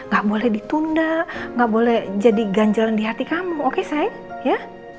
gak boleh ditunda gak boleh jadi ganjalan di hati kamu oke say ya